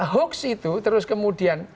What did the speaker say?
hoax itu terus kemudian